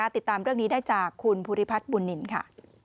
ติดตามเรื่องนี้ได้จากคุณภูริพัฒน์บุญนินค่ะ